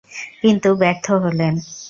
কিন্তু ব্যর্থ হলেন।